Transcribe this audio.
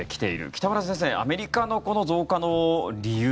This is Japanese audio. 北村先生、アメリカの増加の理由